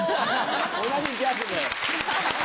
同じギャグだよ。